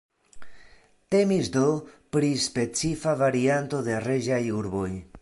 Temis do pri specifa varianto de reĝaj urboj.